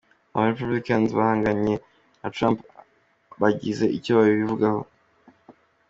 Aba-republicains bahanganye na Trump bagize icyo babivugaho.